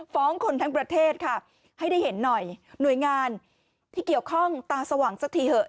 คนทั้งประเทศค่ะให้ได้เห็นหน่อยหน่วยงานที่เกี่ยวข้องตาสว่างสักทีเถอะ